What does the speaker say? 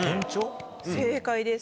正解です。